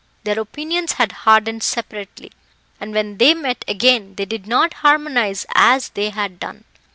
Their opinions had hardened separately, and when they met again they did not harmonize as they had done.